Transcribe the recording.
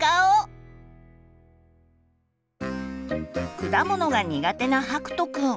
果物が苦手なはくとくん。